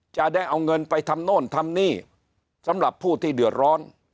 จะได้เอาเงินไปทำโน่นทำนี่สำหรับผู้ที่เดือดร้อน